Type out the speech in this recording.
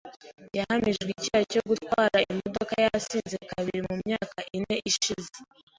yahamijwe icyaha cyo gutwara imodoka yasinze kabiri mu myaka ine ishize.